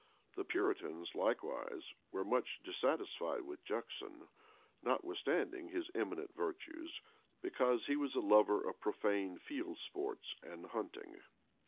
[] The Puritans, likewise, were much dissatisfied with Juxon, notwithstanding his eminent virtues, because he was a lover of profane field sports and hunting.